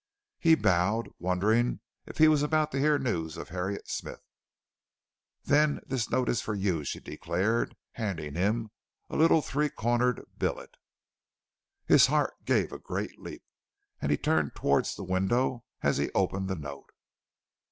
He bowed, wondering if he was about to hear news of Harriet Smith. "Then this note is for you," she declared, handing him a little three cornered billet. His heart gave a great leap, and he turned towards the window as he opened the note.